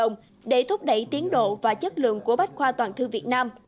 tận dụng cộng đồng để thúc đẩy tiến độ và chất lượng của bách khoa toàn thư việt nam